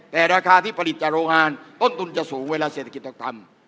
แต่ราคาที่ผลิตจากโรงงานต้นทุนจะสูงเวลาเศรษฐกิจต่างต่ำ